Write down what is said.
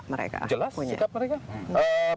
mereka punya jelas sikap mereka